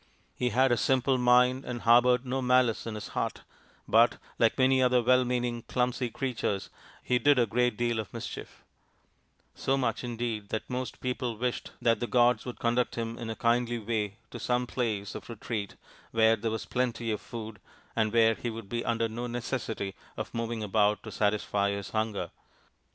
He had a simple mind and harboured no malice in his heart, but, like many other well meaning, clumsy creatures, he did a great deal of mischief ; so much indeed that most people wished that the gods would conduct him in a kindly way to some place of retreat where there was plenty of food and where he would be under no necessity of moving about to satisfy his hunger.